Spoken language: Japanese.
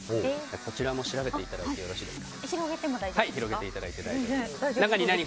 こちらも調べていただいて広げてもいいですか。